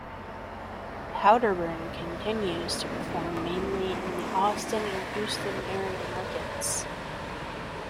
Powderburn continues to perform mainly in the Austin and Houston area markets.